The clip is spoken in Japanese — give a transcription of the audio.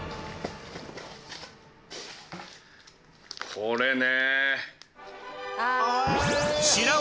これね。